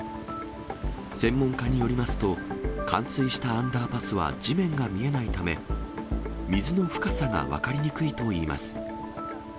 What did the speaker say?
専門家によりますと、冠水したアンダーパスは地面が見えないため、水の深さが分かりにくいといいます。